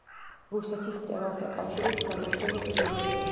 რუსეთის მწერალთა კავშირის სამმართველოს მდივანი.